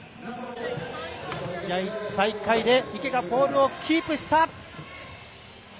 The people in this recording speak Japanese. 試合再開で池がボールをキープした。